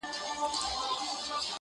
د رژېدلو باڼوگانو سره مينه لري,